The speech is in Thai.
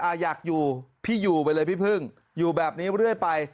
อยากอยู่พี่อยู่ไปเลยพี่พึ่งอยู่แบบนี้เรื่อยไป